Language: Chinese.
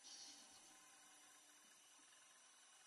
与比利时卢森堡省省旗类似。